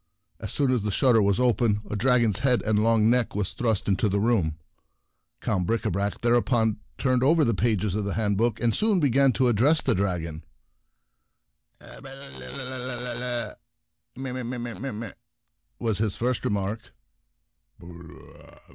As soon as the shutter was open a dragon's head and long neck was thrust into the room. Count Bricabrac thereupon turned over the pages of the handbook and soon began to address the dragon :" Ax f 2a*x + 3abx — myb?" was his first remark.